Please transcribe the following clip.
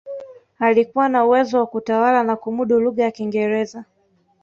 alikuwa na uwezo wa kutawala na kumudu lugha ya kiingereza